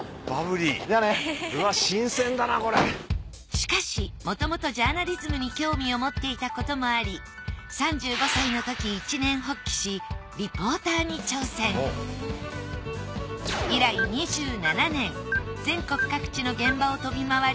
しかしもともとジャーナリズムに興味を持っていたこともあり３５歳のとき一念発起し以来２７年全国各地の現場を飛び回り